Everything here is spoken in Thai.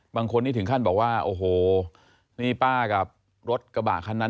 บางคนนี่ถึงขั้นบอกว่าโอ้โหนี่ป้ากับรถกระบะคันนั้น